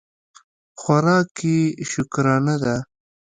خوراک یې شکرانه ده.